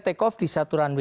take off di satu runway